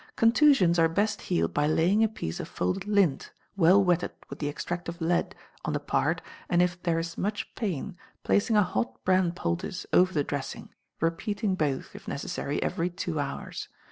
Contusions are best healed by laying a piece of folded lint, well wetted with the extract of lead, on the part, and, if there is much pain, placing a hot bran poultice over the dressing, repeating both, if necessary, every two hours.